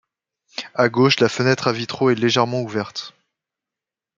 À gauche, la fenêtre à vitraux est légèrement ouverte.